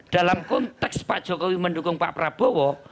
dalam konteks pak jokowi mendukung pak prabowo